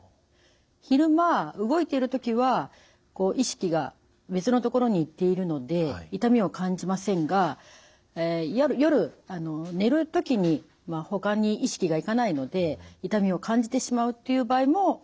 昼間動いている時はこう意識が別のところに行っているので痛みを感じませんが夜寝る時にほかに意識が行かないので痛みを感じてしまうっていう場合もあります。